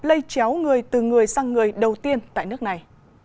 lây chéo người từ người sang người đầu tiên tại nước này